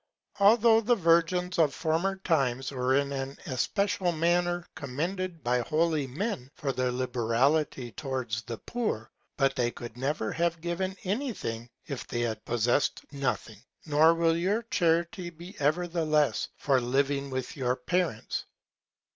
Although the Virgins of former Times were in an especial Manner commended by holy Men, for their Liberality towards the Poor; but they could never have given any Thing, if they had possessed nothing. Nor will your Charity be ever the less for living with your Parents.